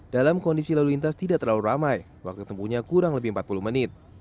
dalam kondisi lalu lintas tidak terlalu ramai waktu tempuhnya kurang lebih empat puluh menit